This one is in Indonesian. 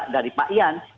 dari pak ian